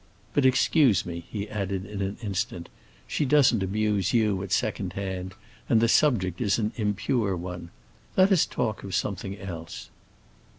But excuse me," he added in an instant; "she doesn't amuse you, at second hand, and the subject is an impure one. Let us talk of something else."